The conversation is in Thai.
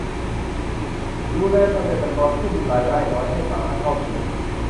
ดูแลเกษตรกรผู้มีรายได้น้อยให้สามารถเข้าถึง